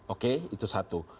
oke itu satu